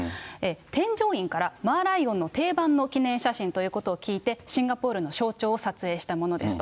添乗員から、マーライオンの定番の記念写真ということを聞いて、シンガポールの象徴を撮影したものですと。